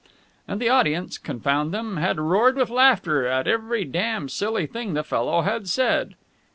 And the audience, confound them, had roared with laughter at every damn silly thing the fellow had said!